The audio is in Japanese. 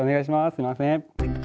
すいません。